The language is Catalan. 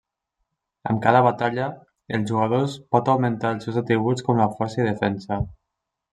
Amb cada batalla, els jugadors pot augmentar els seus atributs com la força i defensa.